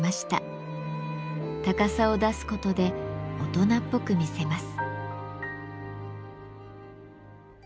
高さを出すことで大人っぽく見せます。